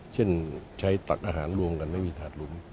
เช่นใช้ตักอาหารรวมกันไม่มีถาดหลุม